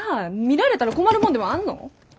見られたら困るもんでもあんの？